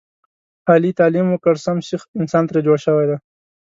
علي تعلیم وکړ سم سیخ انسان ترې جوړ شوی دی.